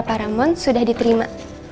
bikinan para mon sudah diterima